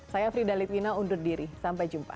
saya frida litwina undur diri sampai jumpa